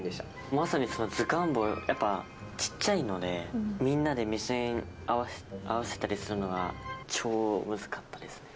まさに図鑑坊、ちっちゃいので、みんなで目線合わせたりするのが、超むずかったですね。